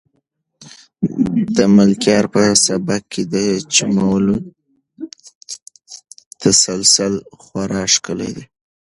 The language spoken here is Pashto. د ملکیار په سبک کې د جملو تسلسل خورا ښکلی دی.